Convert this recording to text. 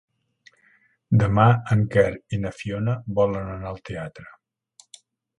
Demà en Quer i na Fiona volen anar al teatre.